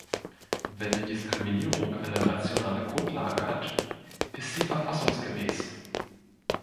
Wenn die Diskriminierung eine rationale Grundlage hat, ist sie verfassungsgemäß.